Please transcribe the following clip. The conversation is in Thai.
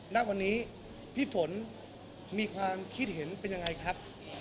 ณวันนี้พี่ฝนมีความคิดเห็นเป็นยังไงครับ